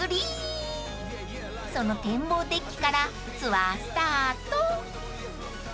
［その展望デッキからツアースタート］